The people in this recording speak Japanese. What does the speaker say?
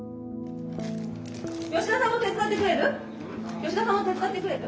吉田さんも手伝ってくれる？